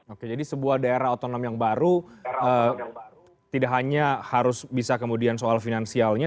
oke jadi sebuah daerah otonom yang baru tidak hanya harus bisa kemudian soal finansialnya